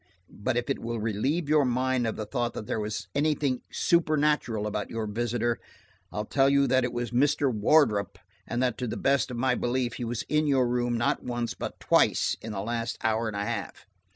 But if it will relieve your mind of the thought that there was anything supernatural about your visitor, I'll tell you that it was Mr. Wardrop, and that to the best of my belief he was in your room, not once, but twice, in the last hour and a half.